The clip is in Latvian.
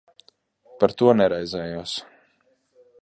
Par to neraizējos.